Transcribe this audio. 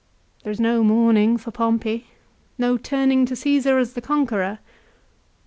There is no mourning for Pompey, no turning to Caesar as the conqueror.